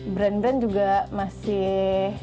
brand brand juga masih